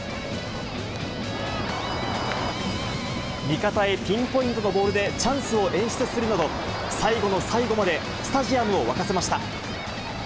味方へピンポイントのボールでチャンスを演出するなど、最後の最後までスタジアムを沸かせました。